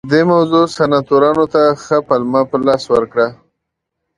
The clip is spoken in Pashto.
دې موضوع سناتورانو ته ښه پلمه په لاس ورکړه